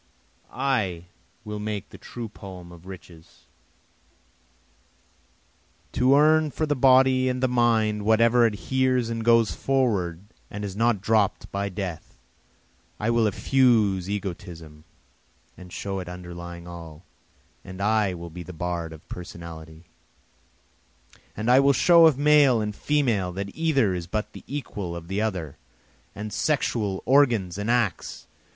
I will make the true poem of riches, To earn for the body and the mind whatever adheres and goes forward and is not dropt by death; I will effuse egotism and show it underlying all, and I will be the bard of personality, And I will show of male and female that either is but the equal of the other, And sexual organs and acts!